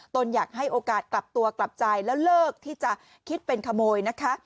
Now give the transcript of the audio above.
อยากให้โอกาสกลับตัวกลับใจแล้วเลิกที่จะคิดเป็นขโมยนะคะ